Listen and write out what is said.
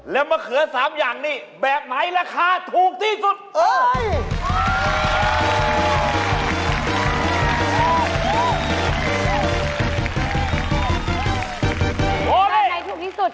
แมลงคือมะเขือ๓อย่างนี่แบบไหมราคาถูกที่สุด